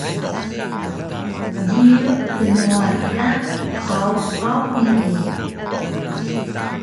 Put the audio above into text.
Jiyun knuwan ka qowqaw nii?